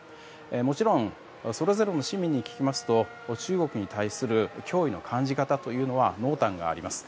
もちろんそれぞれの市民に聞きますと中国に対する脅威の感じ方というのは濃淡があります。